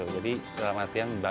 jadi dalam artian kurang